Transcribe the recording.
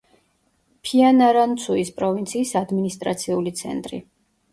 ფიანარანცუის პროვინციის ადმინისტრაციული ცენტრი.